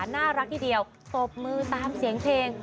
น่ารักทีเดียวตบมือตามเสียงเพลง